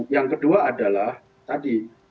yang kedua adalah tadi